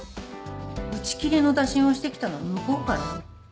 打ち切りの打診をしてきたのは向こうからよ。